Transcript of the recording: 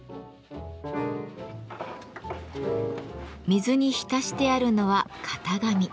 水に浸してあるのは型紙。